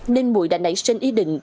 nên mụi đã nảy sinh ý định